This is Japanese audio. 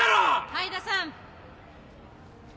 灰田さん。